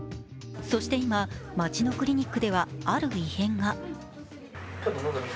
そして今、街のクリニックではある異変が。